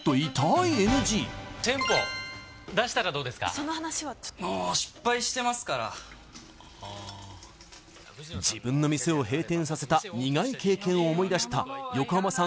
その話はちょっともう失敗してますからああ自分の店を閉店させた苦い経験を思い出した横浜さん